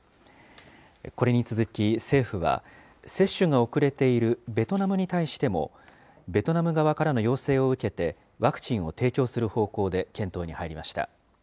これに続き政府は、接種が遅れているベトナムに対しても、ベトナム側からの要請を受けて、ワクチンを提供する方向で検討に入りました。